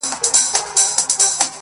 تعویذونه به ور ولیکم پرېمانه -